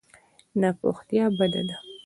ناپوهتیا بده ده.